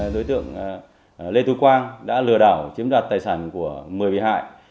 đối tượng lê tú quang đã lừa đảo chiếm đoạt tài sản của một mươi bị hại